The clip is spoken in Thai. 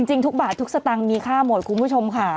จริงทุกบาททุกสตางค์มีค่าหมดคุณผู้ชมค่ะ